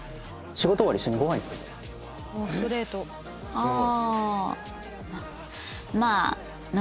ああ。